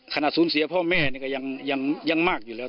ขณะสูญเสียพ่อแม่นี่ก็ยังมากอยู่แล้ว